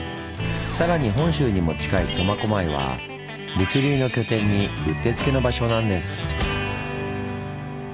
さらに本州にも近い苫小牧は物流の拠点にうってつけの場所なんです。